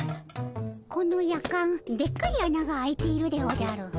このやかんでっかいあなが開いているでおじゃる。